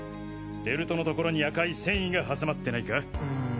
ベルトのところに赤い繊維がはさまってないか？